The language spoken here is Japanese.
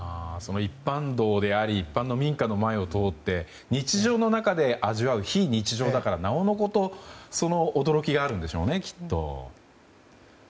一般道であり一般の民家の前を通って日常の中で味わう非日常だからなおのこと驚きがあるんでしょうねきっと。